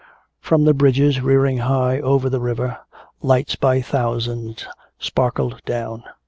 From the bridges rearing high over the river, lights by thousands sparkled down.